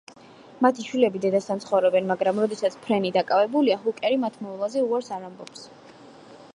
მათი შვილები დედასთან ცხოვრობენ, მაგრამ როდესაც ფრენი დაკავებულია, ჰუკერი მათ მოვლაზე უარს არ ამბობს.